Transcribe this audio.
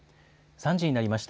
３時になりました。